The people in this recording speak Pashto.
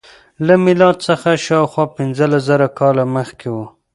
له میلاد څخه شاوخوا پنځلس زره کاله مخکې و.